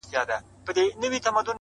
د ژوند کیفیت په فکر پورې تړلی’